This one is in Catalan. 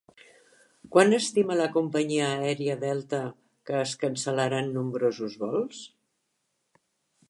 Quan estima la companyia aèria Delta que es cancel·laran nombrosos vols?